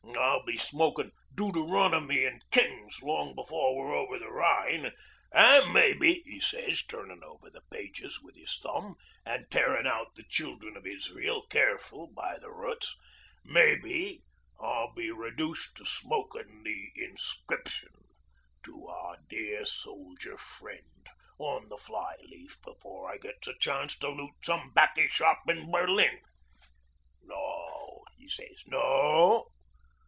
I'll be smoking Deuteronomy an' Kings long afore we're over the Rhine, an' mebbe," he sez, turnin' over the pages with 'is thumb an' tearin' out the Children of Israel careful by the roots, "mebbe I'll be reduced to smokin' the inscription, 'To our Dear Soldier Friend,' on the fly leaf afore I gets a chance to loot some 'baccy shop in Berlin. No," 'e sez. "No.